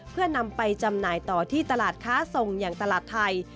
เพื่อนำไปจำหน่ายต่อที่ตลาดค้าส่งอย่างตลาดไทย